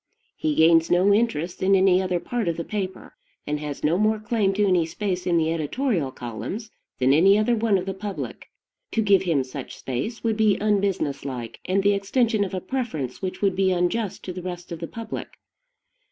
He gains no interest in any other part of the paper, and has no more claim to any space in the editorial columns, than any other one of the public. To give him such space would be unbusiness like, and the extension of a preference which would be unjust to the rest of the public.